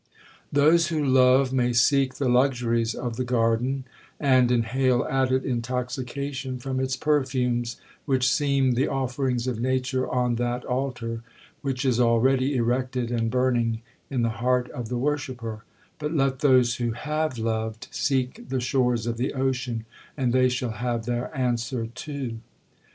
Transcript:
'Those who love may seek the luxuries of the garden, and inhale added intoxication from its perfumes, which seem the offerings of nature on that altar which is already erected and burning in the heart of the worshipper;—but let those who have loved seek the shores of the ocean, and they shall have their answer too.